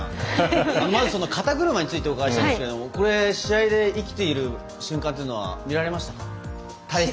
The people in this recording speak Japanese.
まず肩車についてお聞きしたいんですけれどもこれ、試合で生きている瞬間というのは見られましたか。